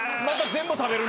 全部食べるよ。